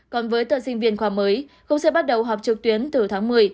còn với tận sinh viên khoa mới cũng sẽ bắt đầu học trực tuyến từ tháng một mươi